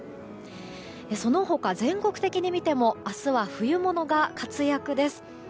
その他、全国的に見ても明日は冬物が活躍です。